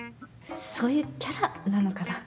そういうキャラなのかな？